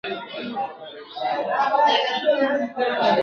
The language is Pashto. سترګو چي مي ستا لاري څارلې اوس یې نه لرم !.